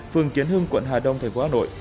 phường kiến hưng quận hà đông tp hà nội